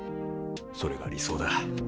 それが理想だ。